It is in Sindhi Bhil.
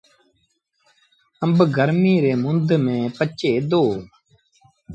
آݩب گرميٚ ريٚ مند ميݩ پچي دو۔